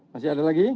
masih ada lagi